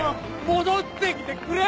戻って来てくれ！